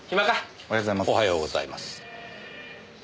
おはようございます。